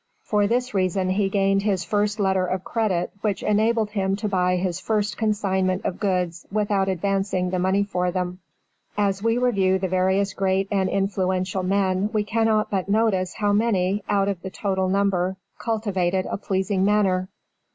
For this reason he gained his first letter of credit which enabled him to buy his first consignment of goods without advancing the money for them. [Illustration: SELF RELIANCE. Engraved Expressly for 'Hidden Treasures.'] As we review the various great and influential men we cannot but notice how many, out of the total number, cultivated a pleasing manner.